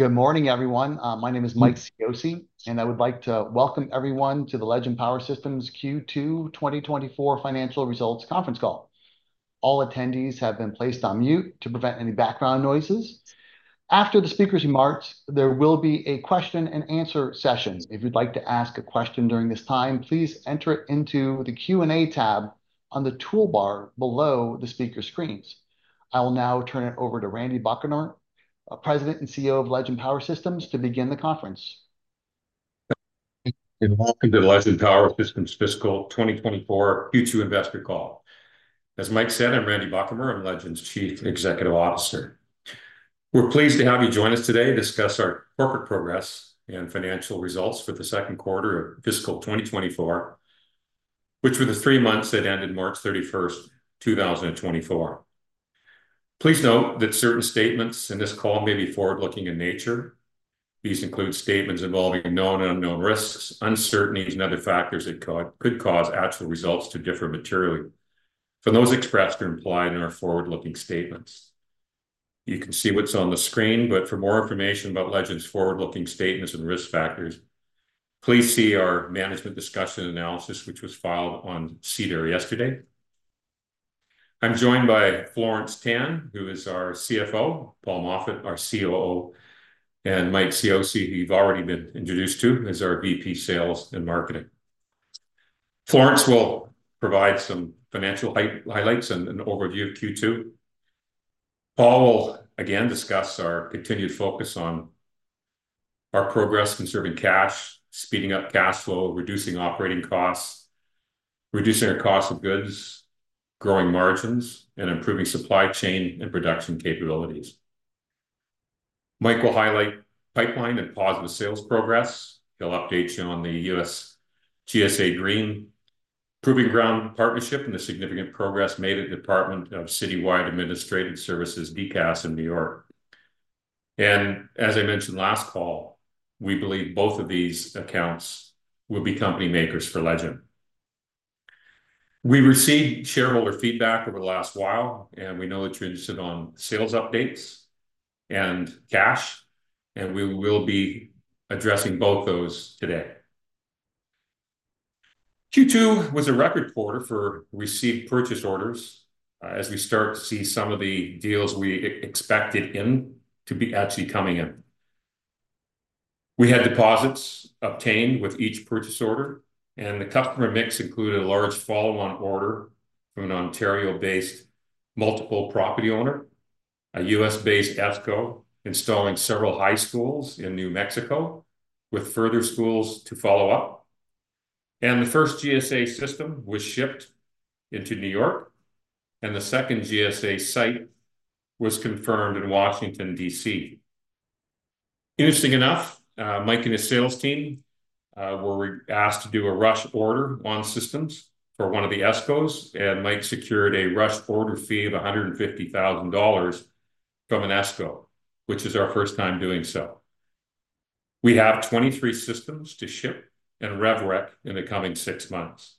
Good morning, everyone. My name is Mike Cioce, and I would like to welcome everyone to the Legend Power Systems Q2 2024 Financial Results conference call. All attendees have been placed on mute to prevent any background noises. After the speaker's remarks, there will be a question and answer session. If you'd like to ask a question during this time, please enter it into the Q&A tab on the toolbar below the speaker screens. I will now turn it over to Randy Buchamer, President and CEO of Legend Power Systems, to begin the conference. Welcome to the Legend Power Systems Fiscal 2024 Q2 Investor Call. As Mike said, I'm Randy Buchamer, I'm Legend's Chief Executive Officer. We're pleased to have you join us today to discuss our corporate progress and financial results for the second quarter of fiscal 2024, which were the three months that ended March 31st, 2024. Please note that certain statements in this call may be forward-looking in nature. These include statements involving known and unknown risks, uncertainties, and other factors that could cause actual results to differ materially from those expressed or implied in our forward-looking statements. You can see what's on the screen, but for more information about Legend's forward-looking statements and risk factors, please see our management discussion analysis, which was filed on SEDAR yesterday. I'm joined by Florence Tan, who is our CFO, Paul Moffat, our COO, and Mike Cioce, who you've already been introduced to, as our VP Sales and Marketing. Florence will provide some financial highlights and an overview of Q2. Paul will again discuss our continued focus on our progress conserving cash, speeding up cash flow, reducing operating costs, reducing our cost of goods, growing margins, and improving supply chain and production capabilities. Mike will highlight pipeline and positive sales progress. He'll update you on the U.S. GSA Green Proving Ground partnership, and the significant progress made at Department of Citywide Administrative Services, DCAS in New York. And as I mentioned last call, we believe both of these accounts will be company makers for Legend. We received shareholder feedback over the last while, and we know that you're interested on sales updates and cash, and we will be addressing both those today. Q2 was a record quarter for received purchase orders, as we start to see some of the deals we expected in, to be actually coming in. We had deposits obtained with each purchase order, and the customer mix included a large follow-on order from an Ontario-based multiple property owner, a U.S.-based ESCO, installing several high schools in New Mexico, with further schools to follow up. The first GSA system was shipped into New York, and the second GSA site was confirmed in Washington, D.C. Interesting enough, Mike and his sales team were asked to do a rush order on systems for one of the ESCOs, and Mike secured a rush order fee of $150,000 from an ESCO, which is our first time doing so. We have 23 systems to ship and rev rec in the coming six months.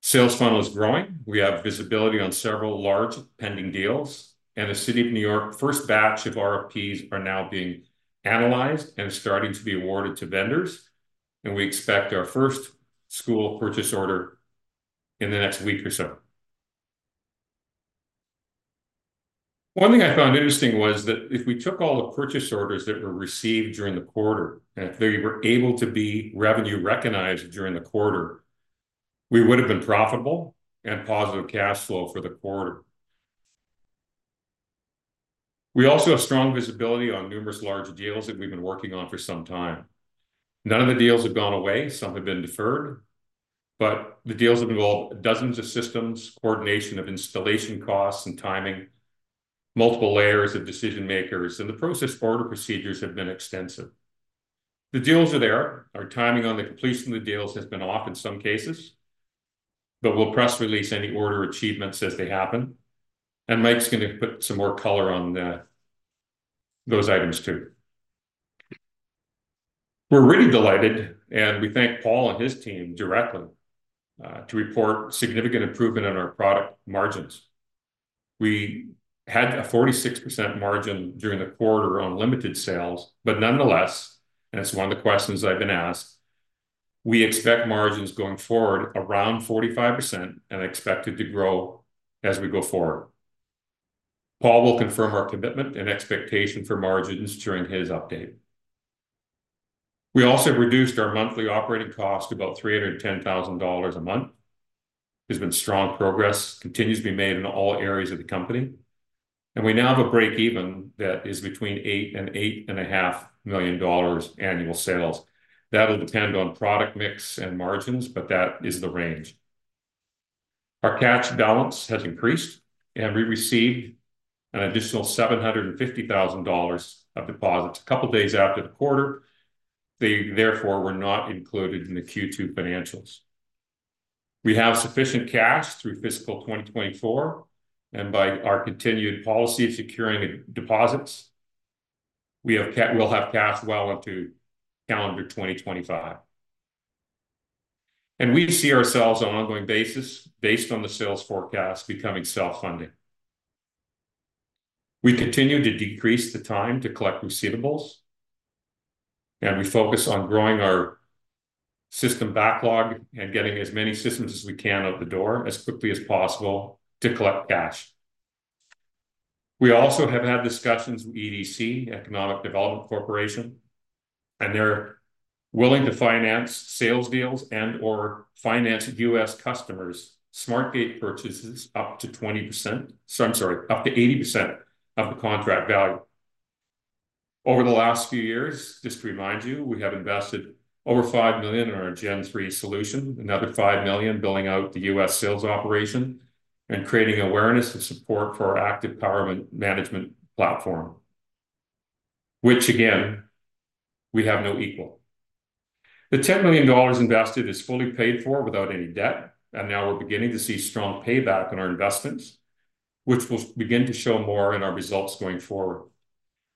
Sales funnel is growing. We have visibility on several large pending deals, and the City of New York, first batch of RFPs are now being analyzed and starting to be awarded to vendors, and we expect our first school purchase order in the next week or so. One thing I found interesting was that if we took all the purchase orders that were received during the quarter, and if they were able to be revenue recognized during the quarter, we would have been profitable and positive cash flow for the quarter. We also have strong visibility on numerous large deals that we've been working on for some time. None of the deals have gone away. Some have been deferred, but the deals have involved dozens of systems, coordination of installation costs and timing, multiple layers of decision makers, and the process order procedures have been extensive. The deals are there. Our timing on the completion of the deals has been off in some cases, but we'll press release any order achievements as they happen, and Mike's gonna put some more color on those items, too. We're really delighted, and we thank Paul and his team directly to report significant improvement on our product margins. We had a 46% margin during the quarter on limited sales, but nonetheless, and it's one of the questions I've been asked, we expect margins going forward around 45% and expected to grow as we go forward. Paul will confirm our commitment and expectation for margins during his update. We also reduced our monthly operating cost to about $310,000 a month. There's been strong progress, continues to be made in all areas of the company, and we now have a break even that is between $8 million and $8.5 million annual sales. That'll depend on product mix and margins, but that is the range. Our cash balance has increased, and we received an additional $750,000 of deposits a couple of days after the quarter. They therefore were not included in the Q2 financials. We have sufficient cash through fiscal 2024, and by our continued policy of securing deposits, we'll have cash well into calendar 2025... and we see ourselves on an ongoing basis, based on the sales forecast, becoming self-funding. We continue to decrease the time to collect receivables, and we focus on growing our system backlog and getting as many systems as we can out the door as quickly as possible to collect cash. We also have had discussions with EDC, Export Development Canada, and they're willing to finance sales deals and/or finance U.S. customers' SmartGATE purchases up to 20%, so I'm sorry, up to 80% of the contract value. Over the last few years, just to remind you, we have invested over 5 million in our Gen 3 solution, another 5 million building out the U.S. sales operation, and creating awareness and support for our active power management platform, which again, we have no equal. The 10 million dollars invested is fully paid for without any debt, and now we're beginning to see strong payback on our investments, which will begin to show more in our results going forward.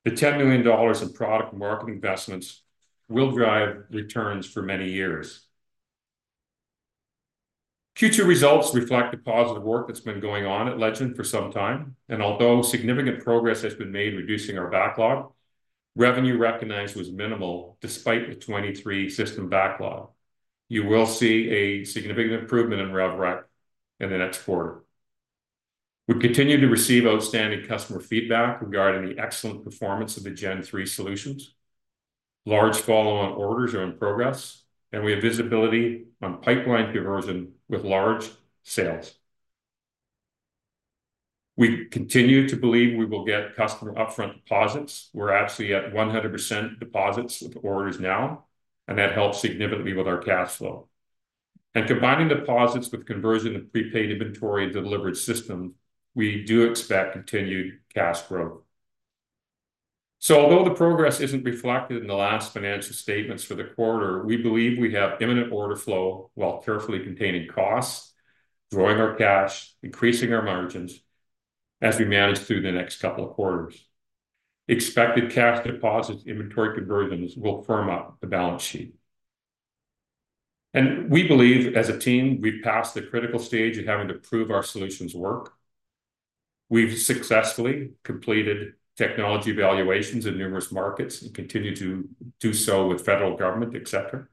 The 10 million dollars in product market investments will drive returns for many years. Q2 results reflect the positive work that's been going on at Legend for some time, and although significant progress has been made reducing our backlog, revenue recognized was minimal, despite the 23 system backlog. You will see a significant improvement in rev rec in the next quarter. We continue to receive outstanding customer feedback regarding the excellent performance of the Gen 3 solutions. Large follow-on orders are in progress, and we have visibility on pipeline conversion with large sales. We continue to believe we will get customer upfront deposits. We're actually at 100% deposits with orders now, and that helps significantly with our cash flow. Combining deposits with conversion of prepaid inventory and delivered system, we do expect continued cash growth. So although the progress isn't reflected in the last financial statements for the quarter, we believe we have imminent order flow while carefully containing costs, growing our cash, increasing our margins as we manage through the next couple of quarters. Expected cash deposits, inventory conversions will firm up the balance sheet. We believe, as a team, we've passed the critical stage in having to prove our solutions work. We've successfully completed technology evaluations in numerous markets and continue to do so with federal government, et cetera.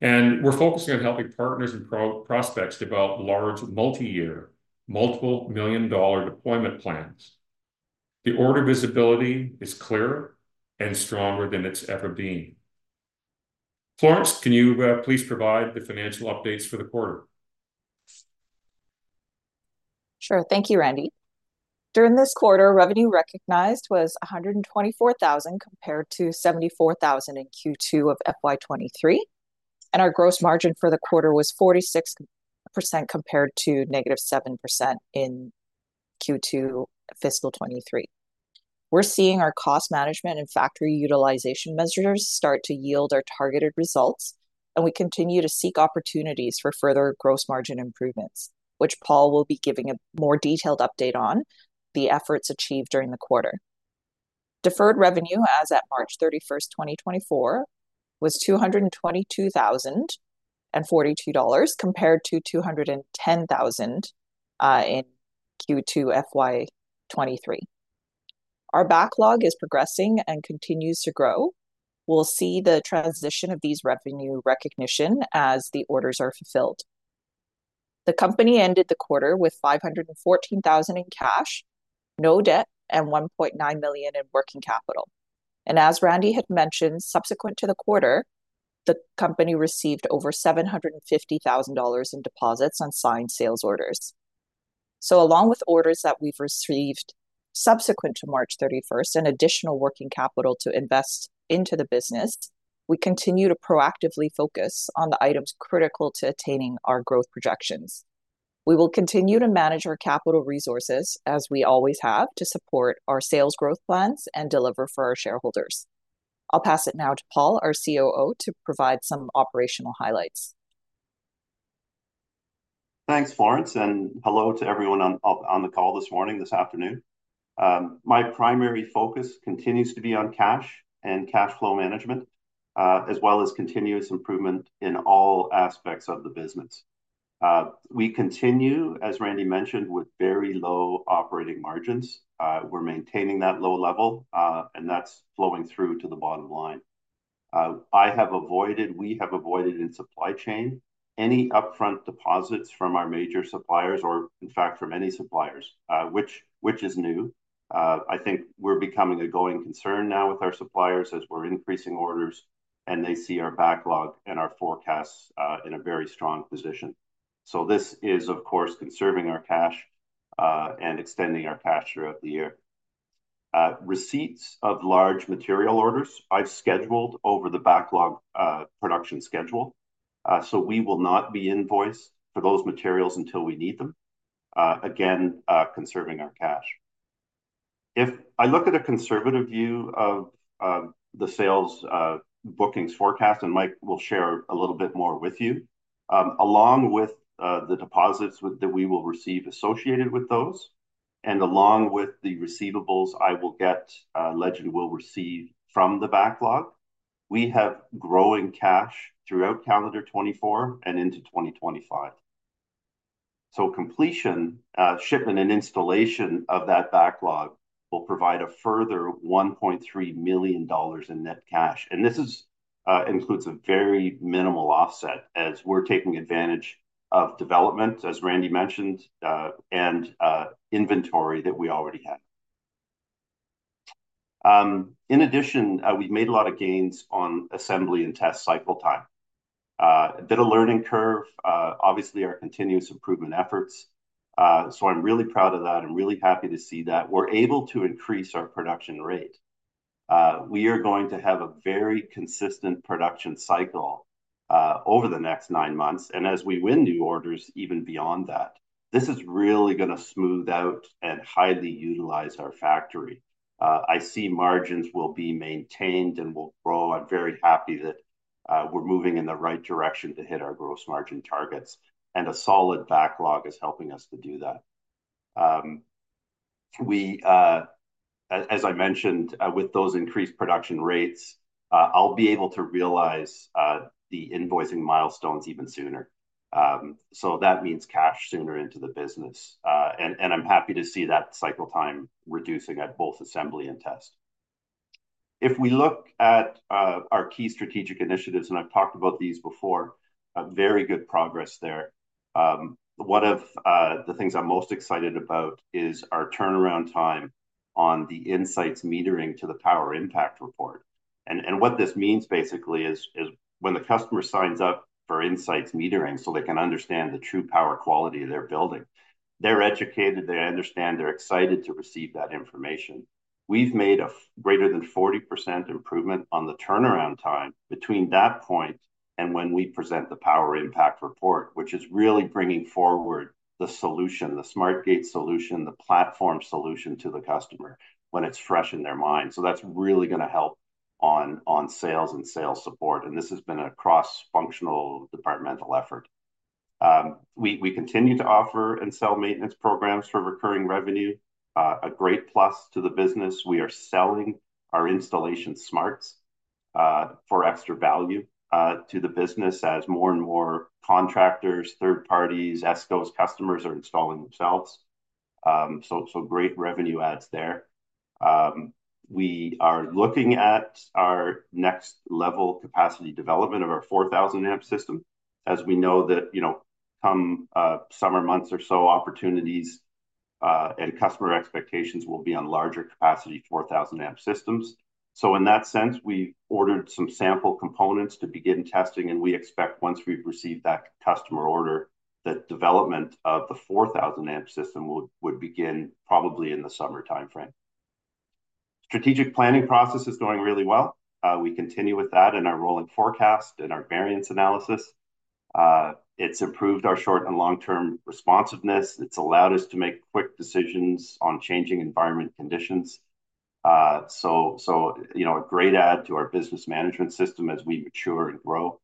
And we're focusing on helping partners and prospects develop large, multi-year, multiple million-dollar deployment plans. The order visibility is clearer and stronger than it's ever been. Florence, can you please provide the financial updates for the quarter? Sure. Thank you, Randy. During this quarter, revenue recognized was $124,000, compared to $74,000 in Q2 of FY 2023, and our gross margin for the quarter was 46%, compared to -7% in Q2, fiscal 2023. We're seeing our cost management and factory utilization measures start to yield our targeted results, and we continue to seek opportunities for further gross margin improvements, which Paul will be giving a more detailed update on the efforts achieved during the quarter. Deferred revenue as at March 31st, 2024, was $222,042, compared to $210,000 in Q2, FY 2023. Our backlog is progressing and continues to grow. We'll see the transition of these revenue recognition as the orders are fulfilled. The company ended the quarter with $514,000 in cash, no debt, and $1.9 million in working capital. As Randy had mentioned, subsequent to the quarter, the company received over $750,000 in deposits on signed sales orders. Along with orders that we've received subsequent to March 31st, an additional working capital to invest into the business, we continue to proactively focus on the items critical to attaining our growth projections. We will continue to manage our capital resources, as we always have, to support our sales growth plans and deliver for our shareholders. I'll pass it now to Paul, our COO, to provide some operational highlights. Thanks, Florence, and hello to everyone on, up on the call this morning, this afternoon. My primary focus continues to be on cash and cash flow management, as well as continuous improvement in all aspects of the business. We continue, as Randy mentioned, with very low operating margins. We're maintaining that low level, and that's flowing through to the bottom line. I have avoided, we have avoided in supply chain, any upfront deposits from our major suppliers, or in fact, from any suppliers, which, which is new. I think we're becoming a going concern now with our suppliers as we're increasing orders, and they see our backlog and our forecasts in a very strong position. So this is, of course, conserving our cash, and extending our cash throughout the year. Receipts of large material orders I've scheduled over the backlog, production schedule, so we will not be invoiced for those materials until we need them. Again, conserving our cash. If I look at a conservative view of the sales bookings forecast, and Mike will share a little bit more with you, along with the deposits with- that we will receive associated with those- and along with the receivables, I will get, Legend will receive from the backlog. We have growing cash throughout calendar 2024 and into 2025. So completion, shipment, and installation of that backlog will provide a further $1.3 million in net cash, and this is includes a very minimal offset as we're taking advantage of development, as Randy mentioned, and inventory that we already had. In addition, we've made a lot of gains on assembly and test cycle time. A bit of learning curve, obviously, our continuous improvement efforts. So I'm really proud of that. I'm really happy to see that we're able to increase our production rate. We are going to have a very consistent production cycle, over the next nine months, and as we win new orders, even beyond that. This is really gonna smooth out and highly utilize our factory. I see margins will be maintained and will grow. I'm very happy that, we're moving in the right direction to hit our gross margin targets, and a solid backlog is helping us to do that. We, as I mentioned, with those increased production rates, I'll be able to realize, the invoicing milestones even sooner. So that means cash sooner into the business. And I'm happy to see that cycle time reducing at both assembly and test. If we look at our key strategic initiatives, and I've talked about these before, a very good progress there. One of the things I'm most excited about is our turnaround time on the Insights metering to the Power Impact Report. And what this means basically is when the customer signs up for Insights metering, so they can understand the true power quality of their building, they're educated, they understand, they're excited to receive that information. We've made a greater than 40% improvement on the turnaround time between that point and when we present the Power Impact Report, which is really bringing forward the solution, the SmartGATE solution, the platform solution to the customer when it's fresh in their minds. So that's really gonna help on sales and sales support, and this has been a cross-functional departmental effort. We continue to offer and sell maintenance programs for recurring revenue, a great plus to the business. We are selling our installation smarts for extra value to the business as more and more contractors, third parties, ESCOs, customers are installing themselves. So great revenue adds there. We are looking at our next level capacity development of our 4,000-amp system. As we know that, you know, come summer months or so, opportunities and customer expectations will be on larger capacity, 4,000-amp systems. So in that sense, we ordered some sample components to begin testing, and we expect once we've received that customer order, that development of the 4,000-amp system would begin probably in the summer timeframe. Strategic planning process is going really well. We continue with that in our rolling forecast and our variance analysis. It's improved our short and long-term responsiveness. It's allowed us to make quick decisions on changing environment conditions. So, so, you know, a great add to our business management system as we mature and grow.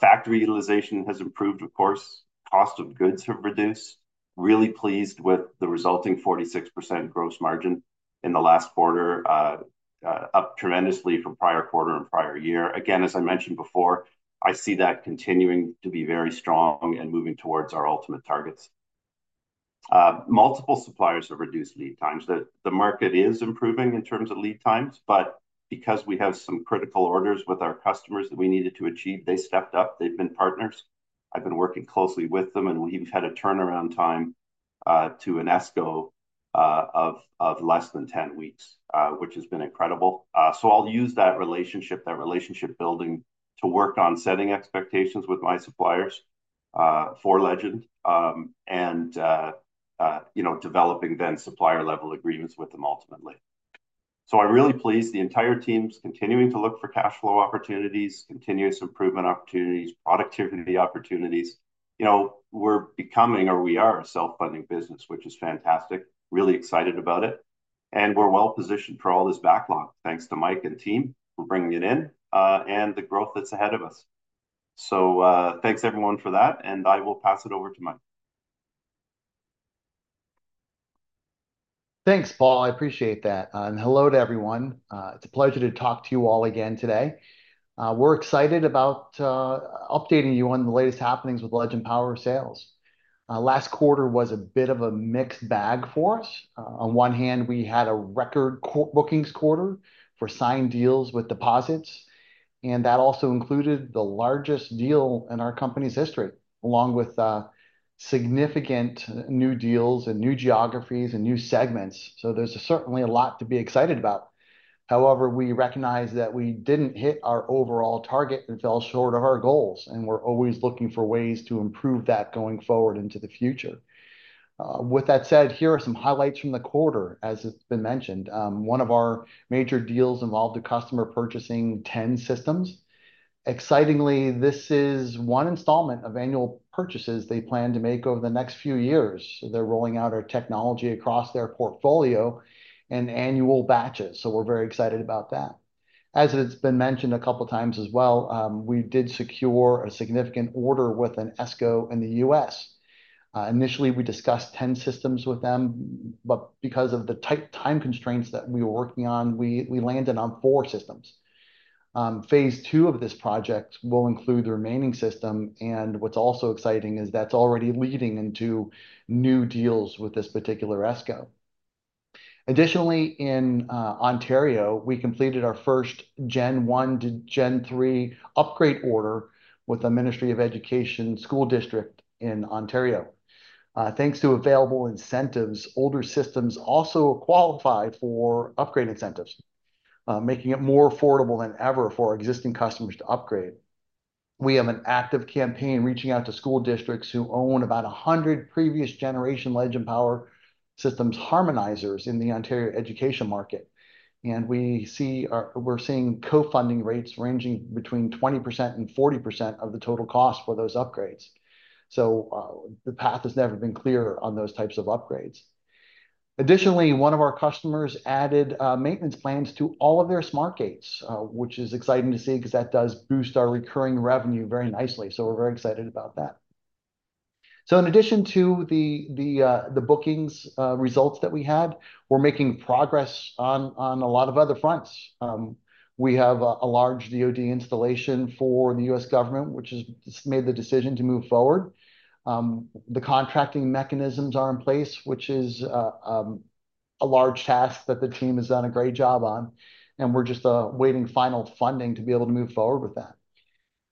Factory utilization has improved, of course, cost of goods have reduced. Really pleased with the resulting 46% gross margin in the last quarter, up tremendously from prior quarter and prior year. Again, as I mentioned before, I see that continuing to be very strong and moving towards our ultimate targets. Multiple suppliers have reduced lead times, the market is improving in terms of lead times, but because we have some critical orders with our customers that we needed to achieve, they stepped up. They've been partners. I've been working closely with them, and we've had a turnaround time to an ESCO of less than 10 weeks, which has been incredible. So I'll use that relationship, that relationship building, to work on setting expectations with my suppliers for Legend, and you know, developing then supplier-level agreements with them ultimately. So I'm really pleased. The entire team's continuing to look for cash flow opportunities, continuous improvement opportunities, productivity opportunities. You know, we're becoming or we are a self-funding business, which is fantastic. Really excited about it, and we're well-positioned for all this backlog. Thanks to Mike and the team for bringing it in, and the growth that's ahead of us. So, thanks everyone for that, and I will pass it over to Mike. Thanks, Paul. I appreciate that. And hello to everyone. It's a pleasure to talk to you all again today. We're excited about updating you on the latest happenings with Legend Power sales. Last quarter was a bit of a mixed bag for us. On one hand, we had a record bookings quarter for signed deals with deposits, and that also included the largest deal in our company's history, along with significant new deals and new geographies and new segments. So there's certainly a lot to be excited about. However, we recognize that we didn't hit our overall target and fell short of our goals, and we're always looking for ways to improve that going forward into the future. With that said, here are some highlights from the quarter as it's been mentioned. One of our major deals involved a customer purchasing 10 systems. Excitingly, this is one installment of annual purchases they plan to make over the next few years. They're rolling out our technology across their portfolio and annual batches, so we're very excited about that. As it's been mentioned a couple times as well, we did secure a significant order with an ESCO in the U.S. Initially, we discussed 10 systems with them, but because of the tight time constraints that we were working on, we landed on four systems. Phase two of this project will include the remaining system, and what's also exciting is that's already leading into new deals with this particular ESCO. Additionally, in Ontario, we completed our first Gen 1 to Gen 3 upgrade order with the Ministry of Education School District in Ontario. Thanks to available incentives, older systems also qualify for upgrade incentives, making it more affordable than ever for our existing customers to upgrade. We have an active campaign reaching out to school districts who own about 100 previous generation Legend Power Systems Harmonizers in the Ontario education market, and we're seeing co-funding rates ranging between 20% and 40% of the total cost for those upgrades. So, the path has never been clearer on those types of upgrades. Additionally, one of our customers added maintenance plans to all of their SmartGATEs, which is exciting to see, 'cause that does boost our recurring revenue very nicely, so we're very excited about that. So in addition to the bookings results that we had, we're making progress on a lot of other fronts. We have a large DoD installation for the U.S. government, which has just made the decision to move forward. The contracting mechanisms are in place, which is a large task that the team has done a great job on, and we're just waiting final funding to be able to move forward with that.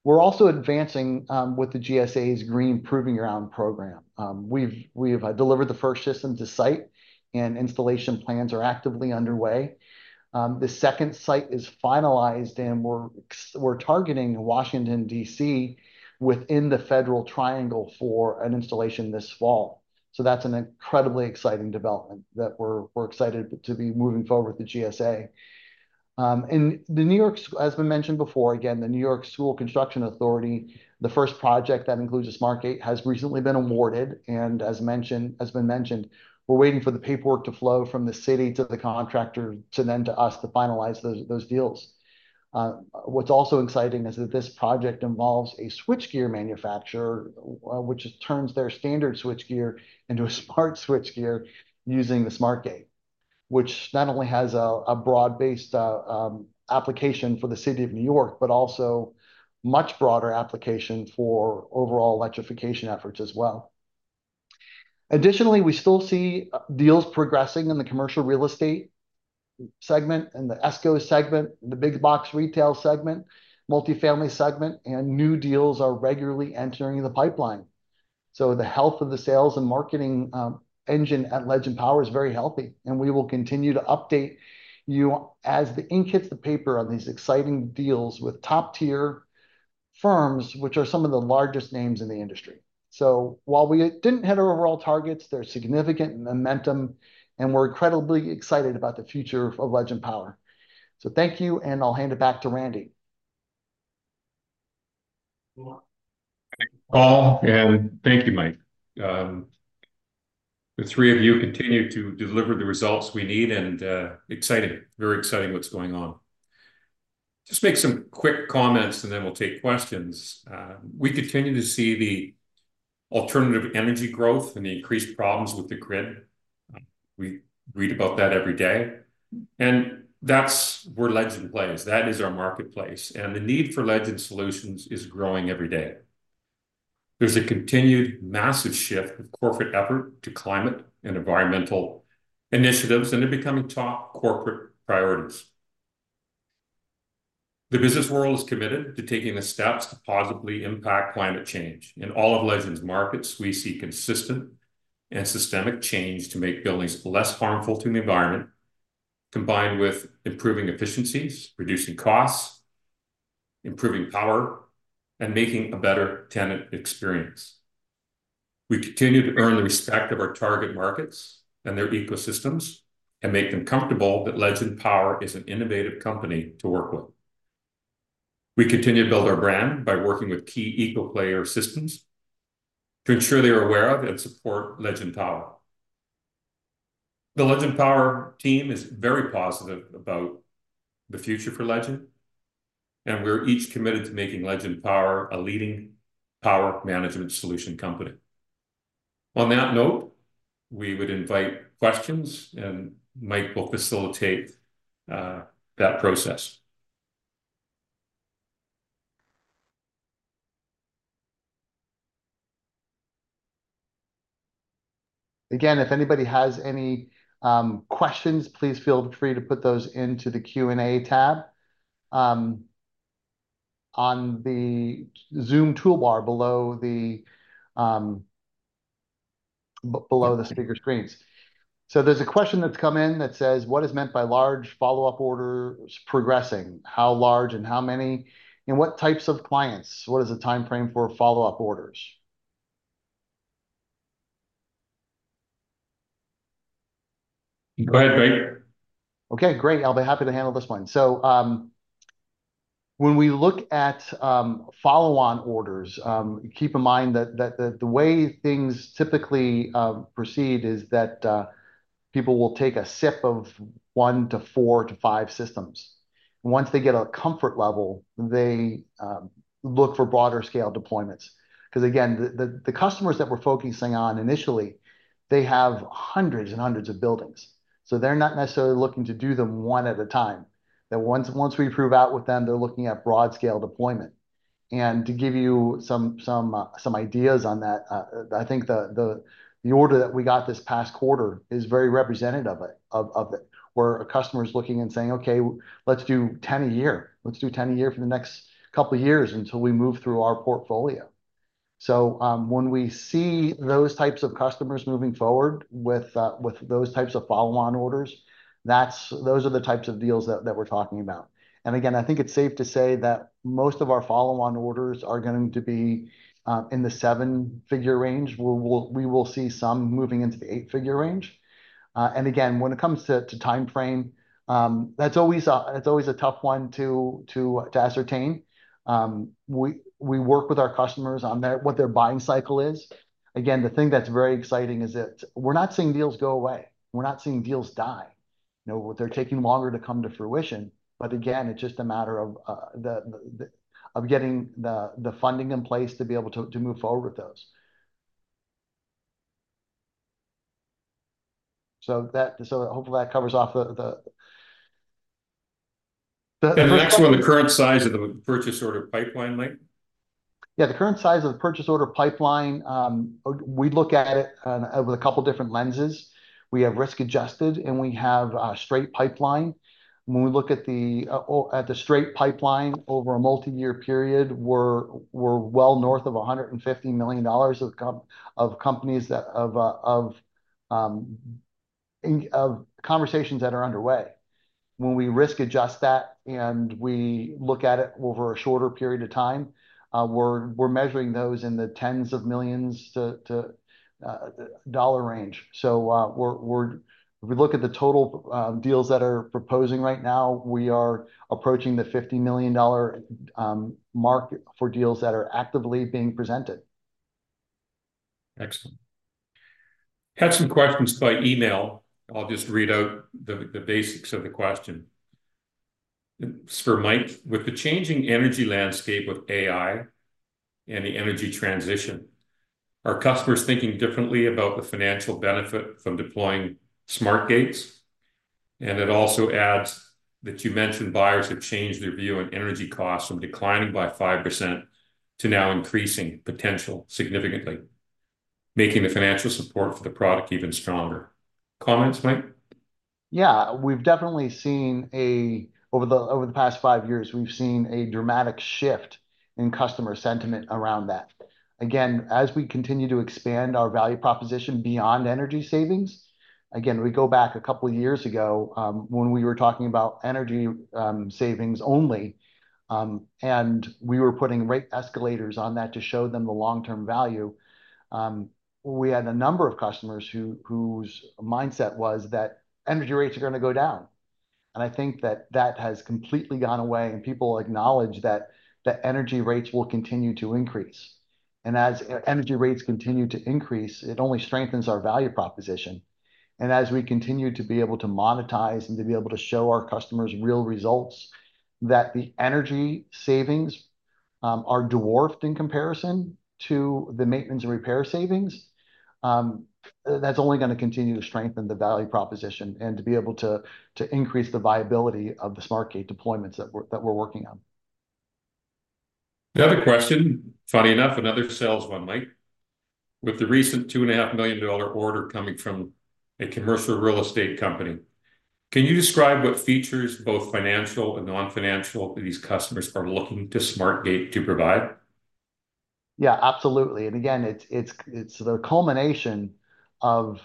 We're also advancing with the GSA's Green Proving Ground program. We've delivered the first system to site, and installation plans are actively underway. The second site is finalized, and we're targeting Washington, D.C., within the Federal Triangle for an installation this fall. So that's an incredibly exciting development that we're excited to be moving forward with the GSA. In the New York, as we mentioned before, again, the New York School Construction Authority, the first project that includes a SmartGATE, has recently been awarded, and as mentioned, we're waiting for the paperwork to flow from the city to the contractor to then to us to finalize those deals. What's also exciting is that this project involves a switchgear manufacturer, which turns their standard switchgear into a smart switchgear using the SmartGATE, which not only has a broad-based application for the City of New York, but also much broader application for overall electrification efforts as well. Additionally, we still see deals progressing in the commercial real estate segment, and the ESCO segment, the big box retail segment, multifamily segment, and new deals are regularly entering the pipeline. So the health of the sales and marketing engine at Legend Power is very healthy, and we will continue to update you as the ink hits the paper on these exciting deals with top-tier firms, which are some of the largest names in the industry. So while we didn't hit our overall targets, there's significant momentum, and we're incredibly excited about the future of Legend Power. So thank you, and I'll hand it back to Randy. Well, thank you, Paul, and thank you, Mike. The three of you continue to deliver the results we need, and exciting, very exciting what's going on. Just make some quick comments, and then we'll take questions. We continue to see the alternative energy growth and the increased problems with the grid. We read about that every day, and that's where Legend plays. That is our marketplace, and the need for Legend solutions is growing every day. There's a continued massive shift of corporate effort to climate and environmental initiatives, and they're becoming top corporate priorities. The business world is committed to taking the steps to positively impact climate change. In all of Legend's markets, we see consistent and systemic change to make buildings less harmful to the environment, combined with improving efficiencies, reducing costs, improving power, and making a better tenant experience. We continue to earn the respect of our target markets and their ecosystems and make them comfortable that Legend Power is an innovative company to work with. We continue to build our brand by working with key ecosystem players to ensure they are aware of and support Legend Power. The Legend Power team is very positive about the future for Legend, and we're each committed to making Legend Power a leading power management solution company. On that note, we would invite questions, and Mike will facilitate that process. Again, if anybody has any questions, please feel free to put those into the Q&A tab on the Zoom toolbar below the speaker screens. So there's a question that's come in that says: "What is meant by large follow-up orders progressing? How large and how many, and what types of clients? What is the timeframe for follow-up orders? Go ahead, Mike. Okay, great. I'll be happy to handle this one. So, when we look at follow-on orders, keep in mind that the way things typically proceed is that people will take a sip of 1 to 4 to 5 systems. Once they get a comfort level, they look for broader scale deployments. 'Cause again, the customers that we're focusing on initially, they have hundreds and hundreds of buildings, so they're not necessarily looking to do them one at a time. That once we prove out with them, they're looking at broad scale deployment. And to give you some ideas on that, I think the order that we got this past quarter is very representative of it, where a customer is looking and saying, "Okay, let's do 10 a year. Let's do 10 a year for the next couple of years until we move through our portfolio." So, when we see those types of customers moving forward with those types of follow-on orders, that's those are the types of deals that we're talking about. And again, I think it's safe to say that most of our follow-on orders are going to be in the seven-figure range, where we'll see some moving into the eight-figure range. And again, when it comes to timeframe, that's always a, it's always a tough one to ascertain. We work with our customers on what their buying cycle is. Again, the thing that's very exciting is that we're not seeing deals go away. We're not seeing deals die. You know, they're taking longer to come to fruition, but again, it's just a matter of getting the funding in place to be able to move forward with those. So that... So hopefully that covers off the- The next one, the current size of the purchase order pipeline, Mike? Yeah, the current size of the purchase order pipeline, we look at it with a couple of different lenses. We have risk adjusted, and we have straight pipeline. When we look at the straight pipeline over a multi-year period, we're well north of $150 million in conversations that are underway. When we risk adjust that and we look at it over a shorter period of time, we're measuring those in the tens of millions to dollar range. So, if we look at the total deals that are proposing right now, we are approaching the $50 million mark for deals that are actively being presented. Excellent. Had some questions by email. I'll just read out the basics of the question. It's for Mike. With the changing energy landscape of AI and the energy transition, are customers thinking differently about the financial benefit from deploying SmartGATEs? And it also adds that you mentioned buyers have changed their view on energy costs from declining by 5% to now increasing potential significantly, making the financial support for the product even stronger. Comments, Mike? Yeah. We've definitely seen, over the past five years, a dramatic shift in customer sentiment around that. Again, as we continue to expand our value proposition beyond energy savings, again, we go back a couple of years ago, when we were talking about energy savings only, and we were putting rate escalators on that to show them the long-term value. We had a number of customers whose mindset was that energy rates are gonna go down, and I think that that has completely gone away, and people acknowledge that the energy rates will continue to increase. And as energy rates continue to increase, it only strengthens our value proposition. As we continue to be able to monetize and to be able to show our customers real results, that the energy savings are dwarfed in comparison to the maintenance and repair savings, that's only gonna continue to strengthen the value proposition and to be able to, to increase the viability of the SmartGATE deployments that we're, that we're working on. The other question, funny enough, another sales one, Mike. With the recent $2.5 million order coming from a commercial real estate company, can you describe what features, both financial and non-financial, these customers are looking to SmartGATE to provide? Yeah, absolutely. And again, it's the culmination of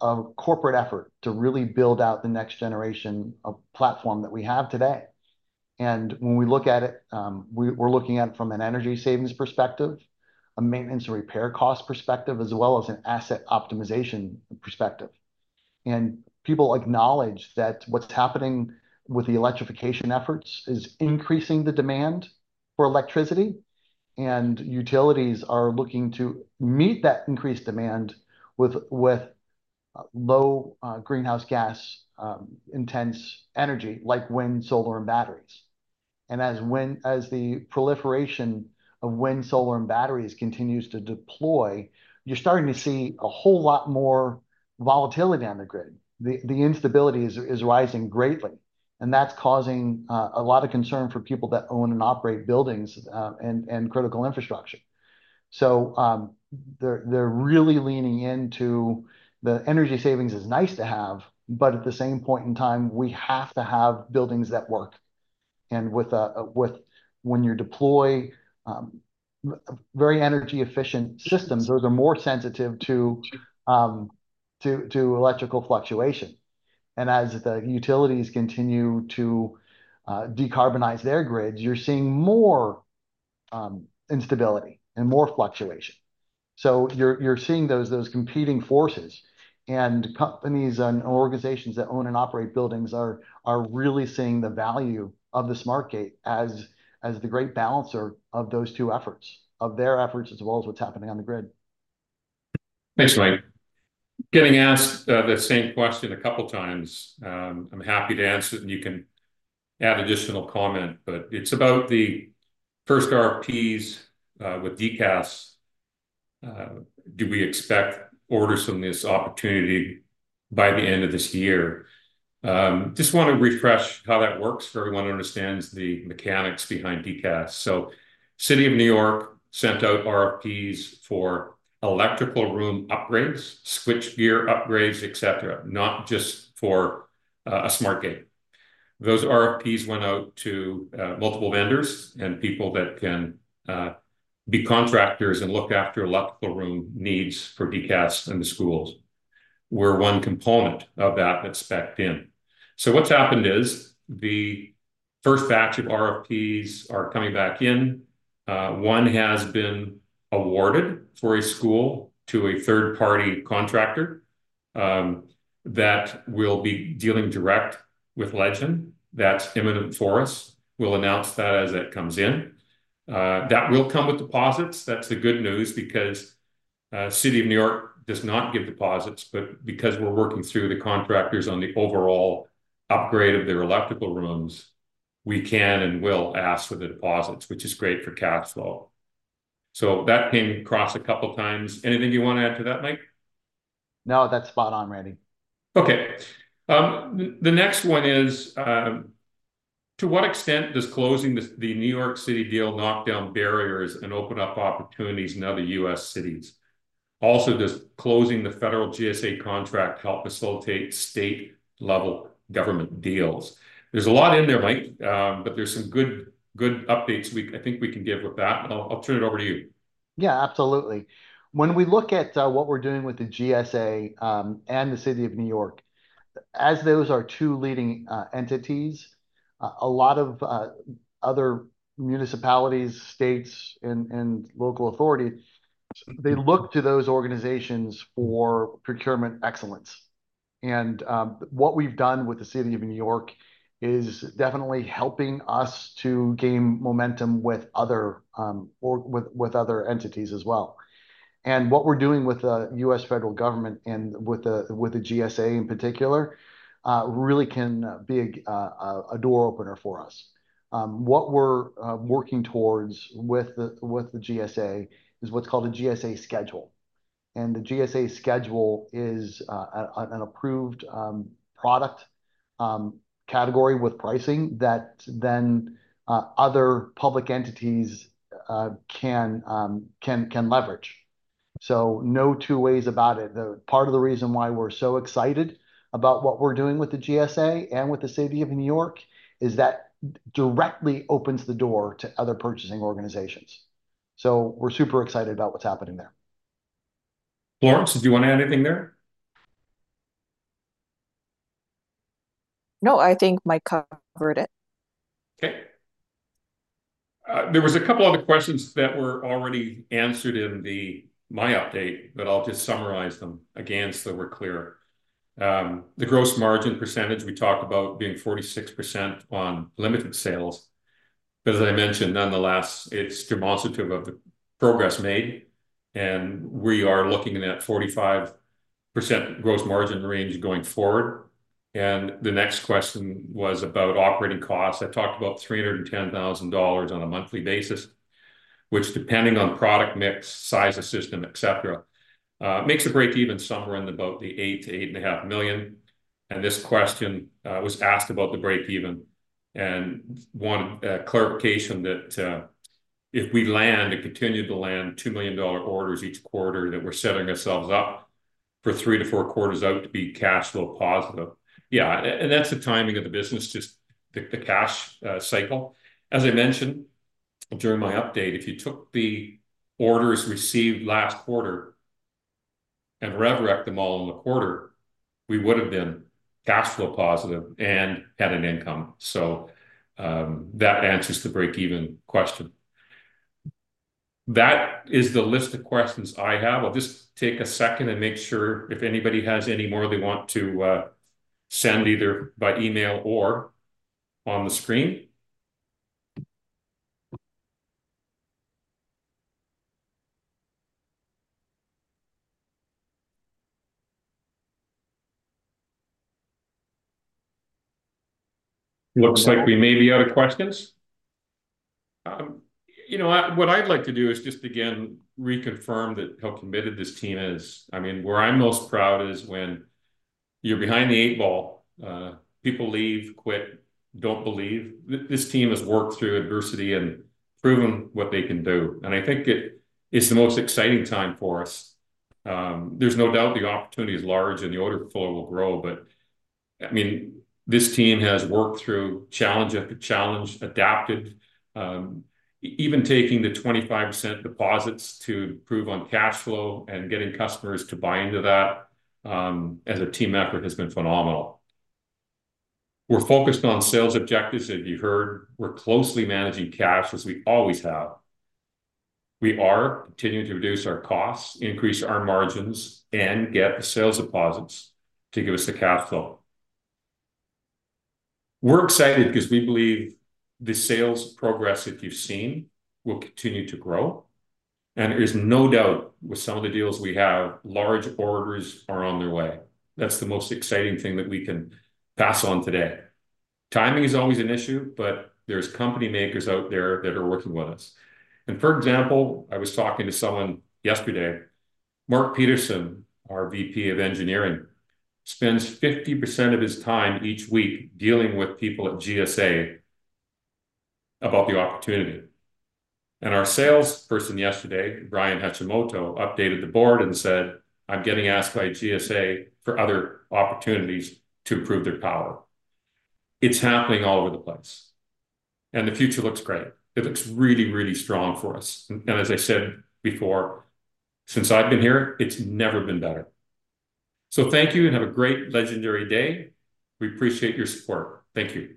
a corporate effort to really build out the next generation of platform that we have today. And when we look at it, we're looking at it from an energy savings perspective, a maintenance and repair cost perspective, as well as an asset optimization perspective. And people acknowledge that what's happening with the electrification efforts is increasing the demand for electricity, and utilities are looking to meet that increased demand with low greenhouse gas-intensive energy, like wind, solar, and batteries. And as the proliferation of wind, solar, and batteries continues to deploy, you're starting to see a whole lot more volatility on the grid. The instability is rising greatly, and that's causing a lot of concern for people that own and operate buildings, and critical infrastructure. So, they're really leaning into the energy savings is nice to have, but at the same point in time, we have to have buildings that work. And when you deploy very energy efficient systems, those are more sensitive to electrical fluctuation. And as the utilities continue to decarbonize their grids, you're seeing more instability and more fluctuation. So you're seeing those competing forces, and companies and organizations that own and operate buildings are really seeing the value of the SmartGATE as the great balancer of those two efforts, of their efforts, as well as what's happening on the grid. Thanks, Mike. Getting asked the same question a couple times, I'm happy to answer it, and you can add additional comment, but it's about the first RFPs with DCAS. Do we expect orders from this opportunity by the end of this year? Just want to refresh how that works for everyone who understands the mechanics behind DCAS. So City of New York sent out RFPs for electrical room upgrades, switchgear upgrades, et cetera, not just for a SmartGATE. Those RFPs went out to multiple vendors and people that can be contractors and look after electrical room needs for DCAS and the schools. We're one component of that that's spec'd in. So what's happened is, the first batch of RFPs are coming back in. One has been awarded for a school to a third-party contractor that will be dealing direct with Legend. That's imminent for us. We'll announce that as that comes in. That will come with deposits. That's the good news, because City of New York does not give deposits, but because we're working through the contractors on the overall upgrade of their electrical rooms, we can and will ask for the deposits, which is great for cash flow. So that came across a couple times. Anything you want to add to that, Mike? No, that's spot on, Randy. Okay. The next one is: "To what extent does closing the New York City deal knock down barriers and open up opportunities in other U.S. cities? Also, does closing the federal GSA contract help facilitate state-level government deals?" There's a lot in there, Mike, but there's some good updates I think we can give with that, and I'll turn it over to you. Yeah, absolutely. When we look at what we're doing with the GSA and the City of New York, as those are two leading entities, a lot of other municipalities, states, and local authority, they look to those organizations for procurement excellence. And what we've done with the City of New York is definitely helping us to gain momentum with other or with other entities as well. And what we're doing with the U.S. federal government and with the GSA in particular really can be a door opener for us. What we're working towards with the GSA is what's called a GSA Schedule, and the GSA Schedule is an approved product category with pricing that then other public entities can leverage. No two ways about it. The part of the reason why we're so excited about what we're doing with the GSA and with the City of New York is that directly opens the door to other purchasing organizations, so we're super excited about what's happening there. Florence, do you want to add anything there? No, I think Mike covered it. Okay. There was a couple other questions that were already answered in my update, but I'll just summarize them again, so we're clear. The gross margin percentage, we talked about being 46% on limited sales. But as I mentioned, nonetheless, it's demonstrative of the progress made, and we are looking in at 45% gross margin range going forward. The next question was about operating costs. I talked about 310,000 dollars on a monthly basis, which, depending on product mix, size of system, et cetera, makes a break even somewhere in about the 8 million-8.5 million. This question was asked about the break even and wanted clarification that if we land and continue to land $2 million orders each quarter, that we're setting ourselves up for 3-4 quarters out to be cash flow positive. Yeah, and that's the timing of the business, just the cash cycle. As I mentioned during my update, if you took the orders received last quarter and rev rec them all in the quarter, we would've been cash flow positive and had an income, so that answers the break even question. That is the list of questions I have. I'll just take a second and make sure if anybody has any more they want to send, either by email or on the screen. Looks like we may be out of questions. You know, what I'd like to do is just again reconfirm that, how committed this team is. I mean, where I'm most proud is when you're behind the eight ball, people leave, quit, don't believe. This team has worked through adversity and proven what they can do, and I think it is the most exciting time for us. There's no doubt the opportunity is large, and the order flow will grow, but, I mean, this team has worked through challenge after challenge, adapted, even taking the 25% deposits to improve on cash flow and getting customers to buy into that, as a team effort has been phenomenal. We're focused on sales objectives. As you heard, we're closely managing cash, as we always have. We are continuing to reduce our costs, increase our margins, and get the sales deposits to give us the cash flow. We're excited because we believe the sales progress that you've seen will continue to grow, and there's no doubt with some of the deals we have, large orders are on their way. That's the most exciting thing that we can pass on today. Timing is always an issue, but there's company makers out there that are working with us. For example, I was talking to someone yesterday. Mark Petersen, our Vice President of Engineering, spends 50% of his time each week dealing with people at GSA about the opportunity. Our sales person yesterday, Brian Hashimoto, updated the board and said, "I'm getting asked by GSA for other opportunities to improve their power." It's happening all over the place, and the future looks great. It looks really, really strong for us. And as I said before, since I've been here, it's never been better. So thank you, and have a great legendary day. We appreciate your support. Thank you.